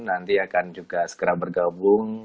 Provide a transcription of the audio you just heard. nanti akan juga segera bergabung